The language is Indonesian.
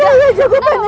ayah saya terlalu panas